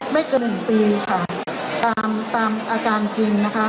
ไม่เกินหนึ่งปีค่ะตามตามอาการจริงนะคะ